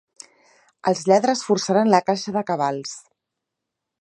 Els lladres forçaren la caixa de cabals.